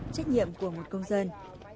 trách nhiệm của một công dân